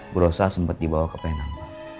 berusaha sempat dibawa ke penang